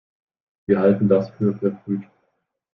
Wir halten das für verfrüht.